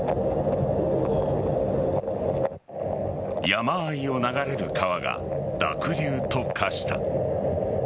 山あいを流れる川が濁流と化した。